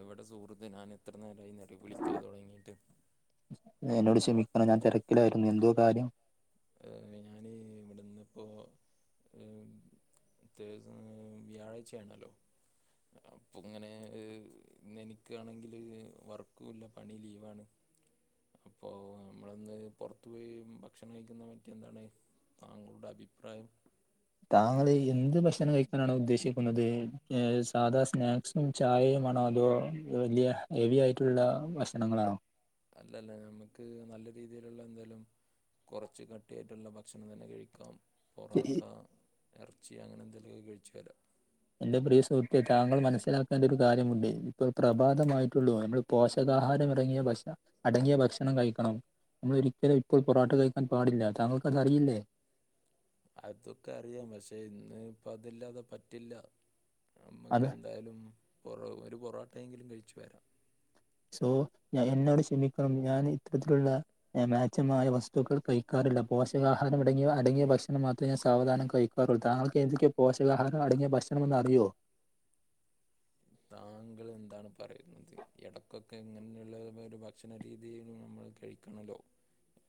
എവിടെ സുഹൃത്ത് ഞാൻ എത്ര നേരമായി എന്നറിയുവോ ഞാൻ വിളിക്കല് തുടങ്ങിയിട്ട്. എന്നോട് ക്ഷമിക്കണം ഞാൻ തിരക്കിലായിരുന്നു. എന്തോ കാര്യം ഞാന്ഇവിടുന്നിപ്പോ ഏഹ് തേസ് സമയം വ്യാഴാഴ്ചയാണല്ലോ? അപ്പൊ ഇങ്ങനെ ഏഹ് ഇന്നെനിക്കാണെങ്കില് വർക്കും ഇല്ല പണി ലീവാണ്. അപ്പൊ നമ്മളിന്ന് പുറത്തു പോയി ഭക്ഷണം കഴിക്കുന്ന പറ്റി എന്താണ്? താങ്കളുടെ അഭിപ്രായം? താങ്കൾ എന്ത് ഭക്ഷണം കഴിക്കാനാണ് ഉദ്ദേശിക്ക ക്കുന്നത് സാധാ സ്നാക്സും ചായയും ആണോ അതോ വലിയ ഹെവി ആയിട്ടുള്ള ഭക്ഷണങ്ങളാ അല്ലല്ല നമ്മുക്ക് നല്ല രീതിയിലുള്ള എന്തേലും കൊറച്ച് കട്ടിയായിട്ടുള്ള ഭക്ഷണം തന്നെ കഴിക്കാം പൊറോട്ട എറച്ചി അങ്ങനെ എന്തെലുമൊക്കെ കഴിച്ചാലോ എന്റെ പ്രിയ സുഹൃത്തെ താങ്കൾ മനസ്സിലാക്കേണ്ട ഒരു കാര്യമുണ്ട് ഇപ്പ പ്രഭാതമായിട്ടുള്ളു നമ്മള് പോഷകാഹാരം ഇറങ്ങിയ ഭക്ഷ അടങ്ങിയ ഭക്ഷണം കഴിക്കണം നമ്മൾളൊരിക്കലും ഇപ്പോൾ പൊറട്ട കഴിക്കാൻ പാടില്ല താങ്കൾക്ക് അത് അറിയില്ലേ അതൊക്കെ അറിയാം പക്ഷെ ഇന്ന് ഇപ്പ അതില്ലാതെ പറ്റില്ല അത് നമ്മക്ക് എന്തായാലും പൊറോ ഒരു പൊറോട്ടയെങ്കിലും കഴിച്ചു വരാം സോ ഞ എന്നോട് ക്ഷമിക്കണം ഞാൻ ഇത്തരത്തിലുള്ള ഞാൻ മേച്ചമായ വസ്തുക്കൾ കഴിക്കാറില്ല പോഷകാഹാരംടങ്ങിയ അടങ്ങിയ ഭക്ഷണം മാത്രേ ഞാൻ സാവധാനം കഴി ക്കാറുള്ളു തങ്കൾക്ക് എതൊക്കെയൊ പോഷകഹാരം അടങ്ങിയ ഭക്ഷണംമെന്ന് അറിയോ താങ്കൾ എന്താണ് പറയുന്നത് ഇടക്കൊക്കെ എങ്ങനെയുള്ള ഒരു ഭക്ഷണരീതിയിലും നമ്മള് കഴി കണ്ടോ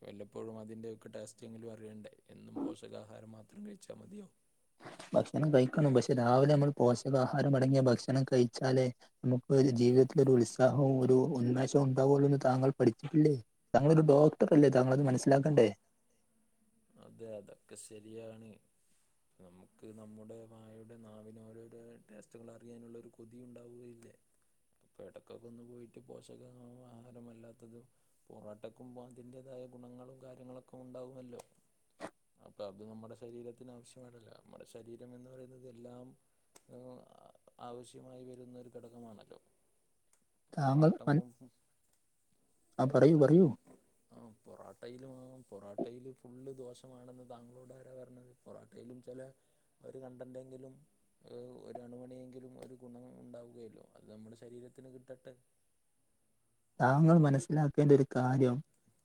വല്ലപ്പോഴും അതിന്റെയൊക്കെ ടെസ്റ്റെങ്കിലും അറിയണ്ടേ എന്നും പോഷകാഹാരം മാത്രം കഴിച്ചാ മതിയോ ഭക്ഷണം കഴിക്കണം പക്ഷെ രാവിലെ നമ്മള് പോഷകാഹാരം അടങ്ങിയ ഭക്ഷണം കഴിച്ചാലേ നമുക്ക് ഒരു ജീവിതത്തില് ഒരു ഉത്സാഹവും ഒരു ഉന്മേഷവും ഉണ്ടാവുളെന്ന് താങ്കൾ പഠിച്ചിട്ടില്ലേ താങ്ങളൊരു ഡോക്ടർ അല്ലേ തങ്ങളത് മനസ്സിലാക്കണ്ടേ അതെ അതൊക്കെ ശരിയാണ് നമുക്ക് നമ്മുടെ വായുടെ നാവിന് ഓരോരോ ടേസ്റ്റുകൾ അറിയാനുള്ളൊരു കൊ കൊതി ഉണ്ടാവുകയില്ലേ ഇടക്കൊക്കെ ഒന്ന് പോയിട്ട് പോഷക ആഹാരമല്ലാത്തതും പൊറോട്ടക്കും അതിൻ്റേതായ ഗുണങ്ങളും കാര്യങ്ങളൊക്കെ ഉണ്ടാകുമല്ലോ അപ്പ അത് നമ്മുടെ ശരീരത്തിന് ആവശ്യമല്ലല്ലോ നമ്മുടെ ശരീരം എന്ന് പറയുന്നത് എല്ലാം ആഹ് ആവശ്യമായി വരുന്നൊരു ഘടകമാണല്ലോ താങ്കൾ പൻ പൊറാട്ട ആഹ് പറയൂ പറയൂ ആഹ് പൊറോട്ടയിലും പൊറോട്ടയില് ഫുള്ള് ദോഷമാണെന്ന് താങ്കളോട് ആരാ പറഞ്ഞത് പൊറാട്ടയിലും ചില ഒരു കണ്ടന്റെങ്കിലും ഒരു അണുമണിയെങ്കിലും ഒരു ഗുണം ഉണ്ടാവുകയല്ലോ അത് നമ്മുടെ ശരീരത്തിന് കിട്ടട്ടെ താങ്കൾ മനസ്സിലാക്കേണ്ട ഒരു കാര്യം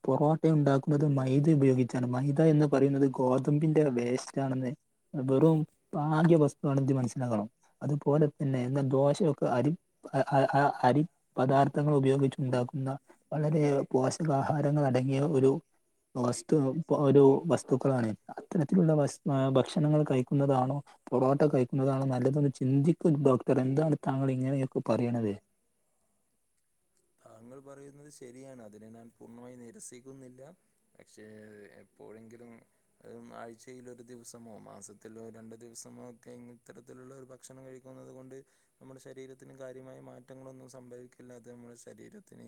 പൊറോട്ട ഉണ്ടാക്കുന്നത് മൈദ ഉപയോഗിച്ചാണ് മൈദ എന്ന് പറയുന്നത് ഗോതമ്പിന്റെ വേസ്റ്റാണെന്നേ വെറും പാക്യ വസ്തുവാണെത് മനസ്സിലാക്കണം അതുപോലെ തന്നെ എന്നും ദോശയൊക്കെ അരി അ അ അരി പദാർത്ഥങ്ങൾ ഉപയോഗിച്ചു ഉണ്ടാക്കുന്ന വളരെ പോഷകാഹാരങ്ങളടങ്ങിയ ഒരു വസ്തു ആവും ഓരോ വസ്തുക്കളാണ് അത്തരത്തിലുള്ള വസ്തു ഭക്ഷണങ്ങള് കഴിക്കുന്നതാണോ പൊറോട്ട കഴിക്കുന്നതാണോ നല്ലതെന്ന് ചിന്തിക്കു ഡോക്ടർ എന്താണ് താങ്കൾ ഇങ്ങനെയൊക്കെ പറയണത് താങ്കൾ പറയുന്നത് ശരിയാണ് അതിനെ ഞാൻ പൂർണ്ണമായി നിരസിക്കുന്നില്ല പക്ഷേ എപ്പോഴെങ്കിലും അഹ് ആഴ്ചയിൽ ഒരു ദിവസമോ മാസത്തിലോ രണ്ടു ദിവസമോ ഒക്കെ ഇങ്ങ് ഇത്തരത്തിലുള്ള ഒരു ഭ ഭക്ഷണം കഴിക്കുന്നത് കൊണ്ട് നമ്മുടെ ശരീരത്തിനും കാര്യമായ മാറ്റങ്ങളൊന്നും സംഭവിക്കില്ല അത് നമ്മുടെ ശ ശരീരത്തിന്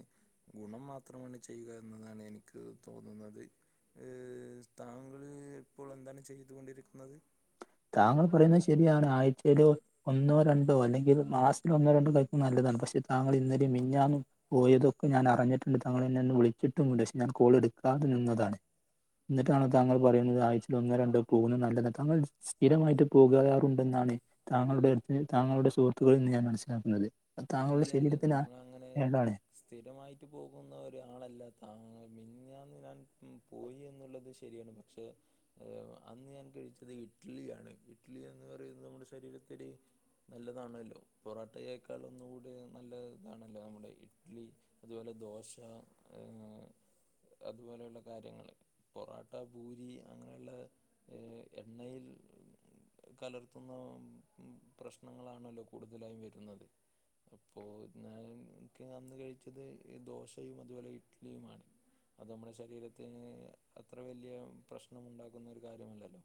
ഗുണം മാത്രമാണ് ചെയ്യുക എന്നതാണ് എനിക്ക് തോന്നുന്നത് എഹ് താങ്കൾ ഇപ്പോൾ എന്താണ് ചെയ്തുകൊണ്ടിരിക്കുന്നത് താങ്കൾ പറയുന്നത് ശരിയാണ് ആഴ്ചയില് ഒന്നോ രണ്ടോ അല്ലെങ്കിൽ മാസത്തില് ഒന്നോ രണ്ടോ കഴിക്കുന്ന നല്ലതാണ് പക്ഷെ താങ്കൾ ഇന്നലയും മിനഞ്ഞാന്നും പോയതൊക്കെ ഞാനറിഞ്ഞിട്ടുണ്ട് തങ്ങൾ എന്നെ ഒന്ന് വിളിച്ചിട്ടുമുണ്ട് പക്ഷെ ഞാൻ കോൾ എടുക്കാതെ നിന്നതാണ് എന്നിട്ടാണോ താങ്കൾ പറയുന്നത് ആഴ്ചയിൽ ഒന്നോ രണ്ടോ പോകുന്നത് നല്ലത് താങ്കൾ സ്ഥിരമായിട്ട് പോകാറുണ്ടെന്നാണ് താങ്കളുടെ അടുത്ത് താങ്കളുടെ സുഹൃത്തുക്കളിൽ നിന്ന് ഞാൻ മനസ്സിലാക്കുന്നത് താങ്കളുടെ ഇല്ലില്ല ശരീരത്തിന് നമ്മളങ്ങനെ കേടാണ് സ്ഥിരമായിട്ട് പോകുന്ന ഒരാളല്ല താങ്ങ മിനഞ്ഞാന്ന് ഞാൻ പോയി എന്നുള്ളത് ശരിയാണ് പ ക്ഷേ ഏഹ് അന്ന് ഞാൻ കഴിച്ചത് ഇഡ്ഡലിയാണ് ഇഡ്ഡലി എന്ന് പറയുന്നത് നമ്മുടെ ശരീരത്തിന് നല്ലതാണല്ലോ പൊറോട്ടയേക്കാളൊന്ന് കൂടി നല്ല ഇതാണല്ലോ നമ്മുടെ ഇഡ്ഡലി അതുപോലെ ദോശ അതുപോലെയുള്ള കാര്യങ്ങള് പൊറോട്ട പൂരി അങ്ങനെയുള്ള എണ്ണയിൽ കലർത്തുന്ന പ്രശ്നങ്ങളാണല്ലോ കൂടുതലായും വരുന്നത് അപ്പോ എന്നാലും ക്ക് അന്ന് കഴിച്ചത് ദോശയും അതുപോലെ ഇഡ്ഡലിയുമാണ് അത് നമ്മുടെ ശരീരത്തിന് അത്ര വലിയ പ്രശ്നമുണ്ടാക്കുന്ന ഒരു കാര്യമല്ലല്ലോ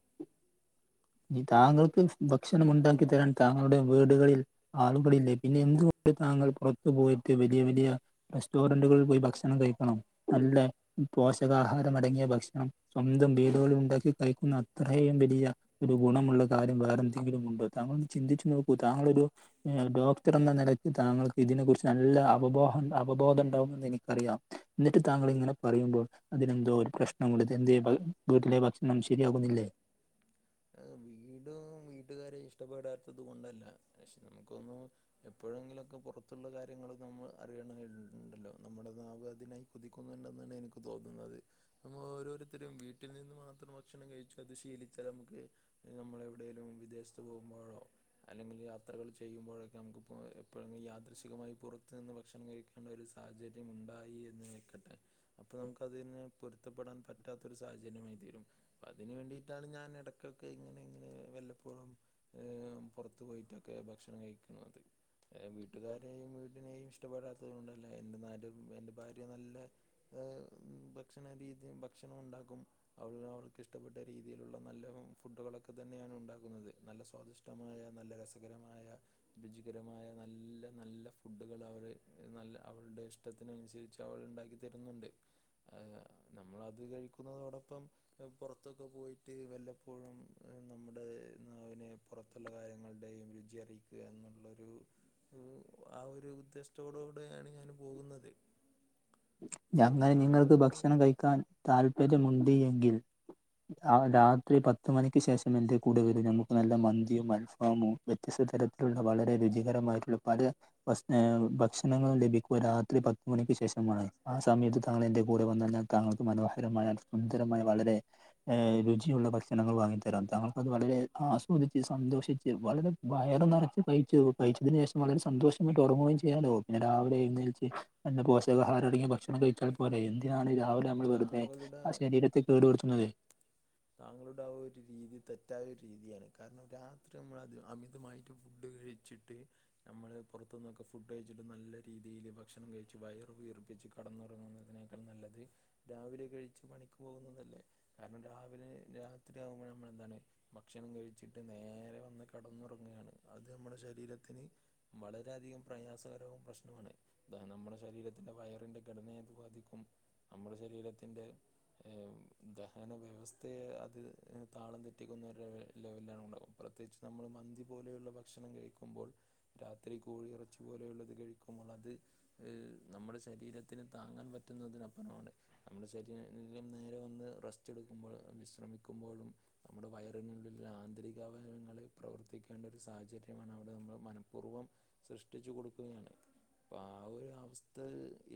താങ്കൾക്ക് ഭക്ഷണം ഉണ്ടാക്കി തരാൻ താങ്കളുടെ വീടുകളിൽ ആളുകളില്ലേ പിന്നെ എന്തുകൊണ്ട് താങ്കൾ പുറത്തു പോയിട്ട് വലിയ വലിയ റെസ്റ്റോറന്റുകളിൽ പോയി ഭക്ഷണം കഴിക്കണം നല്ല പോഷകാഹാരം അടങ്ങിയ ഭക്ഷണം സ്വന്തം വീടുകളിൽ ഉണ്ടാക്കി കഴിക്കുന്ന അത്രയും വലിയ ഒരു ഗുണമുള്ള കാര്യം വേറെന്തെങ്കിലുമുണ്ടോ? താങ്കളൊന്ന്ചിന്തിച്ചു നോക്കൂ. താങ്കളൊരു നീ ഒരു ഡോക്ടർ എന്ന നിലയ്ക്ക് താങ്കൾക്ക് ഇതിനെ കുറിച്ച് നല്ല അവബോഹം അവബോധം ഉണ്ടാവുമെന്ന് എനിക്കറിയാം ന്നിട്ട് താങ്കൾ ഇങ്ങനെ പറയുമ്പോൾ അതിനെന്തോ ഒരു പ്രശ്നം ഉണ്ട്. തെന്തേയ്‌ വീട്ടിലെ ഭക്ഷണം ശരിയാകുന്നില്ലേ ആഹ് വീടും വീട്ടുകാരെ ഇഷ്ടപ്പെടാത്തത് കൊണ്ടല്ല. പക്ഷെ നമുക്കൊന്നും എപ്പോഴെങ്കിലൊക്കെ പുറത്തുള്ള കാര്യങ്ങള് നമ്മള് അറിയണന്നുണ്ടല്ലോ നമ്മുടെ നാവ്‌ അതിനായി കൊതിക്കുന്നുണ്ടെന്നാണ് എനിക്ക് തോന്നുന്നത് പ്പമ്മ ഓരോരുത്തരും വീട്ടിൽ നിന്ന് മാത്രം ഭക്ഷണം കഴിച്ചു അത് ശീലിച്ചാൽ നമു ക്ക് നമ്മളെവിടേലും വിദേശത്ത് പോകുമ്പോഴോ അല്ലെങ്കിൽ യാത്രകൾ ചെയ്യുമ്പോഴൊക്കെ നമുക്ക്പ്പോ എപ്പോഴെങ്കിലും യാദൃശികമായി പുറത്തു നിന്ന് ഭക്ഷണം കഴി ക്കണ്ടൊരു സാഹചര്യം ഉണ്ടായി എന്ന് വെക്കട്ടെ അപ്പൊ നമുക്ക് അതിനെ പൊരുത്തപ്പെടാൻ പറ്റാത്തൊരു സാഹചര്യമായി തീരും. പ്പതിന് വേണ്ടിയിട്ടാണ് ഞാൻ എട ക്കൊക്കെ ഇങ്ങനെ ഇങ്ങനെ വല്ലപ്പോഴും ഇഹ്‌ പുറത്തു പോയിട്ടൊക്കെ ഭക്ഷണം കഴിക്ക്ന്നത് ഏഹ്., വീട്ടുകാരെയും വീടിനെയും ഇഷ്ടപ്പെടാത്തത്കൊണ്ടല്ല എന്തെന്നാലും എന്റെ ഭാര്യ നല്ല ആഹ് ഭക്ഷണ രീതിയും ഭക്ഷണമുണ്ടാക്കും അവനവർക്കിഷ്ടപ്പെട്ട രീതിയിലുള്ള നല്ല ഫുഡുകളൊക്കെ തന്നെയാണ് ഉണ്ടാക്കുന്നത്. നല്ല സ്വാദിഷ്ടമായ നല്ല രസകരമായ രുചികരമായ നല്ല നല്ല ഫുഡുകൾ അവര് നല്ല അവളുടെ ഇഷ് ഷ്ടത്തിനനുസരിച്ച് അവൾ ഇണ്ടാക്കി തരുന്നുണ്ട് അഹ്‌ അഹ് നമ്മളത് കഴിക്കുന്നതോടൊപ്പം ഇഹ്‌ പുറത്തൊക്കെ പോയിട്ട് വല്ല പ്പോഴും നമ്മുടെനാവിനെ പുറത്തുള്ള കാര്യങ്ങളുടെയും രുചി അറിയിക്കുക എന്നുള്ളൊരു രു ആഹ് ഒരു ഉദ്ദേശത്തോടു കൂടെയാണ് ഞാൻ പോകുന്നത് ഞങ്ങനെ നിങ്ങൾക്ക് താങ്കൾക്ക് ഭക്ഷണം കഴിക്കാൻ താല്പര്യമുണ്ട് എങ്കിൽ ആഹ്, രാത്രി പത്ത് മണിക്ക് ശേഷം എന്റെ കൂടെ വരൂ ന്നമ്മുക്ക് നല്ല മന്തിയും അൽഫാമും വ്യത്യസ്ത തരത്തിലുള്ള വളരെ രുചികരമായിട്ടുള്ള പല [unintelligible] ഭക്ഷണങ്ങളും ലഭിക്കുക രാത്രി പത്തുമണിക്ക് ശേഷ മാണ്. ആ സമയത്ത് താങ്കൾ എന്റെ കൂടെ വന്നാൽ ഞാൻ താങ്കൾക്ക് മനോഹരമായ സുന്ദരമായ വളരെ ഏഹ് രുചിയുള്ള ഭക്ഷണങ്ങൾ വാങ്ങിത്തരാം. താങ്കൾക്കത് വളരെ ആസ്വദിച്ച് സന്തോഷിച്ച് വളരെ വയറ് നെറച്ച് കഴിച്ചു കഴിച്ചതിനു ശേഷം വളരെ സന്തോഷമായിട്ട് ഒറങ്ങുകയും ചെയ്യാലോ പിന്നെ രാവിലെ എഴുന്നേൽച്ച് നല്ല പോഷകഹാരംഅടങ്ങിയ ഭക്ഷണം കഴിച്ചാൽ പോരെ, എന്തിനാണ് രാവിലെ ഞമ്മള് വെറുതെ താങ്കളുടെ ആ ശരീരത്തെ കേടു വെരുത്തുന്നത് താങ്കളുടെ ആ ഒരു രീതി തെറ്റായ ഒരു രീതിയാണ്. കാരണം രാത്രി നമ്മളധി അമിതമായിട്ട് ഫുഡ് കഴി ചിട്ട് നമ്മൾ പുറത്തുന്നൊക്കെ ഫുഡ് കഴിച്ചിട്ട് നല്ല രീതീല് ഭക്ഷണം കഴിച്ച് വയറ് വീർപ്പിച്ച് കടന്നുറങ്ങുന്നതിനേക്കാൾ നല്ലത് രാവിലെ കഴിച്ച് പണിക്ക് പോകുന്നതല്ലേ കാരണം രാ പിന്നെ രാത്രിയാവുമ്പോ ഞമ്മളെന്താണ് ഭക്ഷണം കഴിച്ചിട്ട് നേരെ വന്ന് കടന്നുറങ്ങുകയാണ്. അത് നമ്മടെ ശരീരത്തിന് വളരെയധികം പ്രയാസകരവും പ്രശ്നവുമാണ് ത നമ്മുടെ ശരീരത്തിന്റെ വയറിന്റെ ഘടനെയത് ബാധിക്കും നമ്മുടെ ശരീരത്തിന്റെ ഏഹ് ഉം ദഹന വ്യവസ്ഥ ത്തെ അത് എ താളം തെറ്റിക്കുന്നൊരു ലെവൽ ലെവെലാണ് ഉണ്ടാവപ്രത്യേകിച്ച് നമ്മൾ മന്തി പോലെയുള്ള ഭക്ഷണംകഴിക്കു ക്കുമ്പോൾ രാത്രി കോഴിയിറച്ചി പോലെയുള്ളത് കഴിക്കുമ്പോൾ അത് ഏ നമ്മുടെ ശരീരത്തിന് താങ്ങാൻ പറ്റുന്നതിനപ്പുറമാണ് നമ്മുടെ ശരീരം നേരെ വന്ന് റസ്റ്റെ ടുക്കുമ്പോഴ് വിശ്രമിക്കുമ്പോഴും നമ്മുടെ വയറിനുള്ളിലുള്ള ആന്തരിക അവയങ്ങള് പ്രവർത്തിക്കേണ്ട ഒരു സാഹചര്യമാണ് അവിടെ നമ്മള് മനഃപൂർവ്വം സൃഷ്ടിച്ചു കൊടുക്കുകയാണ് അപ്പ ആ ഒരു അവസ്ഥ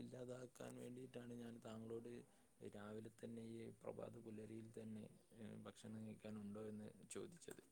ഇല്ലാതാക്കാൻ വേണ്ടിയിട്ടാണ് ഞാൻ താങ്കളോട് രാവിലെ തന്നെ ഈ പ്രഭാത പുലരിയിൽ തന്നെ ഭക്ഷണം കഴിക്കാനുണ്ടോയെന്ന് ചോദിച്ചത്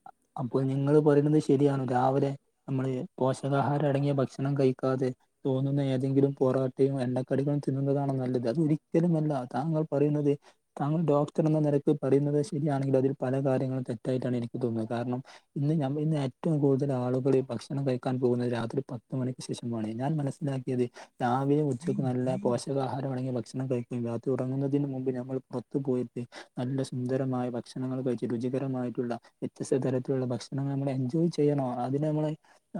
അപ്പോൾ നിങ്ങള് പറയുന്നത് ശരിയാണ് രാവിലെ നമ്മള് പോഷകാഹാരം അടങ്ങിയ ഭക്ഷണം കഴിക്കാതെ തോന്നുന്ന ഏതെങ്കിലും പൊറാട്ടയും എണ്ണക്കടികളും തിന്നുന്നതാണ് നല്ലത് അത ഒരിക്കലും അല്ല താങ്കൾ പറയുന്നത് താങ്കൾ ഡോക്ടർ എന്ന നിരക്ക് പറയുന്നത് ശരിയാണെങ്കിലും അതിൽ പല കാര്യങ്ങളും തെറ്റായിട്ടാണ് എനിക്ക് തോന്നുന്നത് കാരണം ഇന്ന് ഞ ഇന്ന് ഏറ്റവും കൂടുതൽ ആളുകൾ ഭക്ഷണം കഴിക്കാൻ പോകുന്നത് രാത്രി പത്ത് മണിക്ക് ശേഷംമാണ് ഞാൻ മന ന്നാക്കിയെത് രാവിലെ ഉച്ചയ്ക്ക് നല്ല പോഷകാഹാരംമാണെങ്കി ഭക്ഷണം കഴിക്കയും രാത്രി ഉറങ്ങുന്നതിന് മുമ്പ് ഞമ്മൾ പുറത്തു പോയിട്ട് നല്ല സുന്ദരമായ ഭക്ഷണങ്ങൾ കഴിച്ച് രുചികരമായിട്ടുള്ള വ്യത്യസ്ത തരത്തിലുള്ള ഭക്ഷണങ്ങൾ നമ്മൾ എൻജോയ് ചെയ്യണോ അതിന് നമ്മള്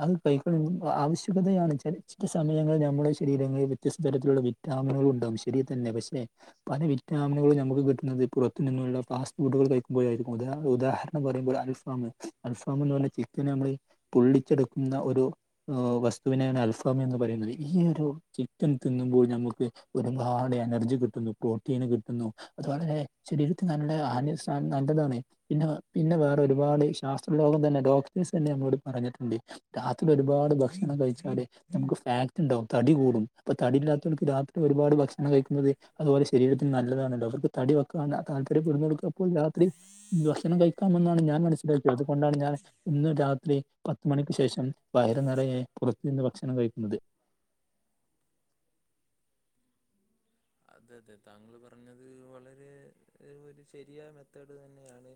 അത് കൈക്കളും ആവശ്യകതയാണ് ച ചില സമയങ്ങളിൽ നമ്മുടെ ശരീരങ്ങളിൽ വ്യത്യസ്ത തരത്തിലുള്ള വിറ്റാമിനുകൾ ഉണ്ടാവും ശരി തന്നെ പക്ഷെ പല വിറ്റാമിനുകളും നമുക്ക് കിട്ടുന്നത് പുറത്തു നിന്നുള്ള ഫാസ്റ്റ് ഫുഡുകൾ കഴിക്കുമ്പോഴായിക്കും ഉദാഹരണം അൽഫാം അൽഫാം എന്ന് പറഞ്ഞൽ ചിക്കൻ നമ്മള് പൊള്ളിച്ചെടുക്കുന്ന ഒരു വസ്തുവിനാണ് അൽഫാമി എന്ന് പറയുന്നത് ഈ ഒരു ചിക്കൻ തിന്നുമ്പോൾ നമുക്ക് ഒരുപാട് എനർജി കിട്ടുന്നു പ്രോട്ടീന് കിട്ടുന്നു അതുവളരെ ശരീരത്തിന് നല്ലെ ആ നല്ലതാണ് പിന്നെ പിന്നെ വേറൊരുപാട് ശാസ്ത്രലോകം തന്നെ ഡോക്ടേഴ്സ് തന്നെ നമ്മോട് പറഞ്ഞിട്ടുണ്ട് രാത്രി ഒരുപാട് ഭക്ഷണം കഴിച്ചാടെ നമുക്ക് ഫാറ്റ്‌ ഉണ്ടാവും തടി കൂടും അപ്പൊ തടിയില്ലാത്തവർക്ക് രാത്രി ഒരുപാട് ഭക്ഷണം കഴിക്കുന്നത് അതുപോലെ ശരീരത്തിന് നല്ലതാണല്ലോ അവർക്ക് തടി വെക്കാന താല്പര്യം പെ കൊടുക്കുകപ്പോൾ രാത്രി ഭക്ഷണം കയി ഞാൻ മനസ്സിലാക്കിയ അതുകൊണ്ടാണ് ഞാൻ ഇന്ന് രാത്രി പത്തുമണിക്ക് ശേഷം വയറ് നിറയെ പുറത്തു നിന്ന് ഭക്ഷണം കഴിക്കുന്നത് അതെ അതെ താങ്കൾ പറഞ്ഞത് വളരെ ഒരു ശെരിയായ മെത്തേഡ് തന്നെയാണ്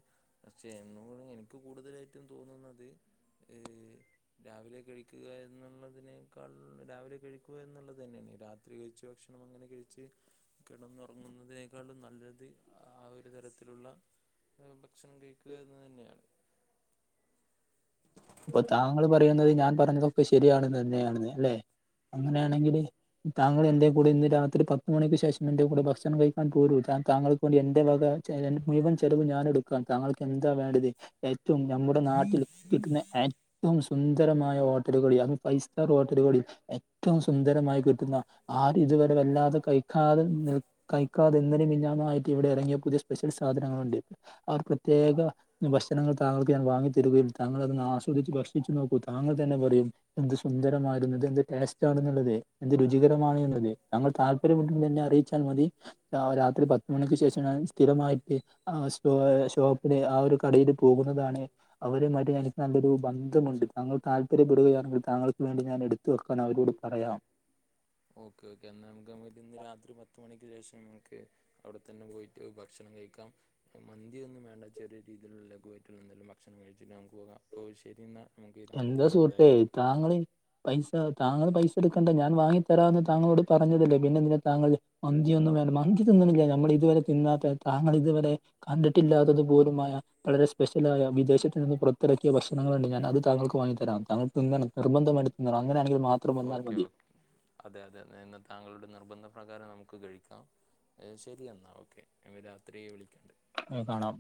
പക്ഷെ എന്നോട് എനിക്ക് കൂടുതലായിട്ടും തോന്നുന്നത് ഏർ രാവിലെ കഴിക്കുക എന്നുള്ളതിനേക്കാൾ രാവിലെ കഴിക്കുക എന്നുള്ളത് തന്നെയല്ലേ രാത് ഉപയോഗിച്ചഭക്ഷണം അങ്ങനെ കഴിച്ച് കിടന്നുറങ്ങുന്നതിനേക്കാളും നല്ലത് ആ ഒരു തരത്തിലുള്ള ഭക്ഷണം കഴിക്കുകഎന്നത് തന്നെയാണ് അപ്പൊ താങ്കൾ പറയുന്നത് ഞാൻ അപ്പോൾ പറഞ്ഞതൊക്കെ ശരിയാണെന്ന് തന്നെയാണെന്ന് അല്ലെ അങ്ങനെയാണെങ്കില് താങ്കൾ എന്റെയും കൂടെ ഇന്ന് രാത്രി പ ഒമ്പത് മണിക്ക് ശേഷം എന്റെ കൂടെ ഭക്ഷണം കഴിക്കാൻ പോലൂ താ താങ്കൾക്ക് വേ എന്റെ വക മുഴുവൻ ചിലവ് ഞാനെടുക്കും താങ്കൾക്ക് എന്താ വേണ്ടത് ഏറ്റവും നമ്മുടെ നാട്ടിൽ കിട്ടുന്നപിന്നെ ഏ സുന്ദരമായ ഹോട്ടലുകളിയാണ് ഫൈവ് സ്റ്റാർ ഹോട്ടലുകളിൽ ഏറ്റവും സുന്ദരമായി കിട്ടുന്ന ആര് ഇതുവരെ വല്ലാതെ കഴിക്കാതെ നി കൈക്കാതെഇന്നെലെയും മിനിഞ്ഞാന്ന്മായിട്ട് ഇവിടെ ഇറങ്ങിയ പുതിയ സ്പെഷ്യൽ സാധനങ്ങൾ ഉണ്ട് ആർ പ്രത്യേക ഭക്ഷണങ്ങൾ താങ്കൾക്ക് ഞാൻ വാങ്ങിത്തരികയും താങ്കൾഅത് സ്വദിച്ച കർഷിച്ചു നോക്കൂ താങ്കൾ തന്നെ പറയും എന്ത് സുന്ദരമായിരുന്നത് എന്ത് ടേസ്റ്റ് ണെന്നുള്ളത് എന്ത് രുചികരമാണെ ന്നുള്ളത് തൾ താപര്യം ഒരുമ തന്നെ അറിയിച്ചാൽ മതി രാത്രി പത്തുമണിക്ക് ശേഷംഞാൻ സ്ഥിരമായിട്ട് ആ ഷോപ്പില് ആ ഒരു കടൽ പോകുന്നതാണ് അവരെ മറ്റും എനിക്ക് നല്ലൊരു ബന്ധമുണ്ട് താങ്കൾ താല്പര്യപ്പെടുകയാണെങ്കിൽ താങ്കൾക്ക് വേണ്ടി ഞാൻ എടുത്ത് വെക്കാൻ അവരോട് പറയാം ഓക്കെ ഓക്കേ എന്നാ നമക്ക് ഇന്ന് രാത്രി പത്ത മണിക്ക് ശേഷം നമക്ക് അവിടെ തന്നെ പോയിട്ട് ഭക്ഷണം കഴിക്കാം മന്തിയൊന്നും വേണ്ട ചെറിയ രീതിയിലുള്ള ലഘുവായിട്ടുള്ള എന്തെലും ഭക്ഷണം കഴിച്ചിട്ട് നമുക്ക് പോകാം അപ്പോ ശരി എന്ന നമുക്ക് എന്താ രാത്രി സുഹൃത്തേ എന്തായാലും കാണാം താങ്കള് പൈസ താങ്കൾ പൈസ എടുക്കണ്ടേ ഞാൻ വാങ്ങി തരാമന്ന് താങ്കളോട് പറഞ്ഞതല്ലേ പിന്നെ ഇതിനെ താങ്കൾ മന്തിയൊന്നും വേണം മന്തി തിന്നണമെില്ല നമ്മൾ ഇതുവരെ തിന്നാത്ത താങ്കൾ ഇതുവരെ കണ്ടിട്ടില്ലാത്തതു പോലുമായ വളരെ സ്പെഷ്യലായ വിദേശത്ത് നിന്ന് പുറത്തിറക്കിയ ഭക്ഷണങ്ങളുണ്ട് ഞാൻ അത് തങ്കക്ക് വങ്ങി തരാം താങ്കൾ തിന്നണം നിർബന്ധമായിട്ട് തിന്നണം അങ്ങനൊണെങ്കം ഓക്കെ ഓക്കേ അതെ അതെ നിന്ന് താങ്കളുടെ നിർബന്ധ പ്ര്രകാരം നമുക്ക് കഴിക്കാം ശരി എന്നാൽ ഓക്കെ ഞൾ രാത്രി വിളികണ്ട് അഹ് കാണാം